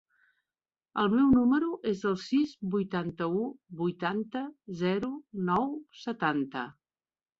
El meu número es el sis, vuitanta-u, vuitanta, zero, nou, setanta.